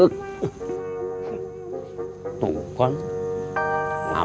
gium juga salah